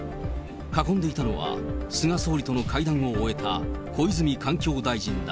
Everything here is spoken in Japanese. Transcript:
囲んでいたのは菅総理との会談を終えた小泉環境大臣だ。